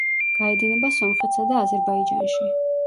გაედინება სომხეთსა და აზერბაიჯანში.